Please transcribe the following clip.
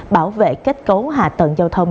bảo vệ kết cấu hạ tận giao thông